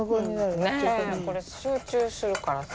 これ集中するからさ。